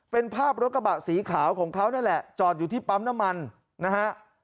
เป็นภาพรถกระบะสีขาวของเขานั่นแหละจอดอยู่ที่ปั๊มน้ำมันนะฮะ